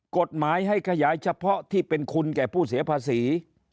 กฎหมายให้ขยายเฉพาะที่เป็นคุณแก่ผู้เสียภาษี